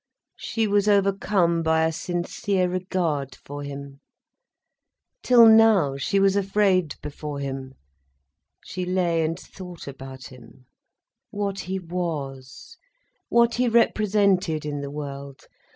She was overcome by a sincere regard for him. Till now, she was afraid before him. She lay and thought about him, what he was, what he represented in the world.